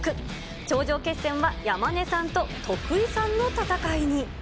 頂上決戦は山根さんと徳井さんの戦いに。